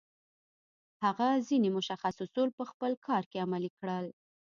هغه ځينې مشخص اصول په خپل کار کې عملي کړل.